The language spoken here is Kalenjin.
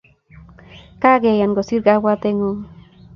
Kageyan kosiir kabwatengung